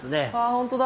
本当だ。